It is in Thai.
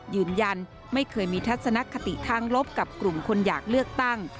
ยืนยันไม่เคยมีทัศนคติทางลบกับกลุ่มคนอยากเลือกตั้ง